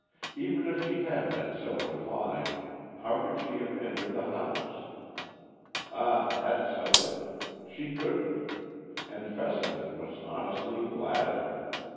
Even if she had been so inclined, how could she have entered the house? Ah, that settled it! She couldn't. And Fessenden was honestly glad of it.